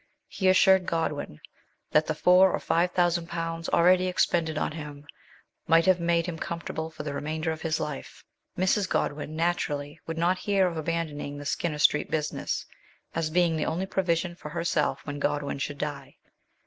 He assured Godwin that the four or five thousand pounds already expended on him might have made him com fortable for the remainder of his life. Mrs. Godwiu, naturally, would not hear of abandoning the Skinner Street business, as being the only provision for herself when Godwin should die.